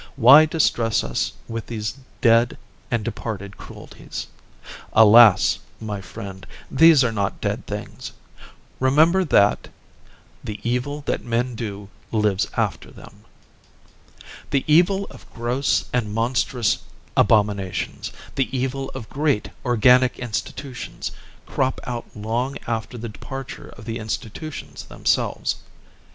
Why distress us with these dead and departed cruelties?" Alas, my friends, these are not dead things. Remember that "The evil that men do lives after them." The evil of gross and monstrous abominations, the evil of great organic institutions crop out long after the departure of the institutions themselves.